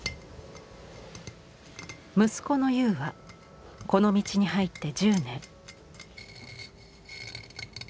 息子の悠はこの道に入って１０年。